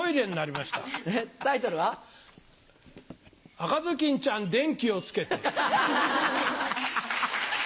「赤ズキンちゃん電気をつけて」。